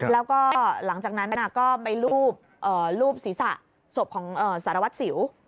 แล้วก็หลังจากนั้นก็ไปรูปศีรษะศพของสารวัตรสิว